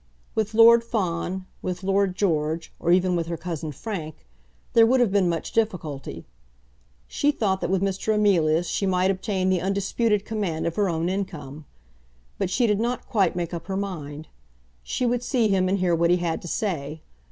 With Lord Fawn, with Lord George, or even with her cousin Frank, there would have been much difficulty. She thought that with Mr. Emilius she might obtain the undisputed command of her own income. But she did not quite make up her mind. She would see him and hear what he had to say.